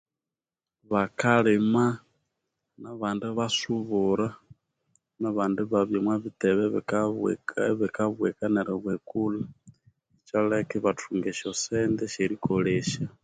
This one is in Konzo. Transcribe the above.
Bakalima nabandi basubura nabandi babya omwa bitebe bikabwe ebikabweka neribwekulha ikyaleka ibathunga esyasente esyerikolesya.